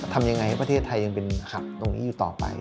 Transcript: ทำยังไงให้ประเทศไทยยังเป็นหักตรงนี้อยู่ต่อไป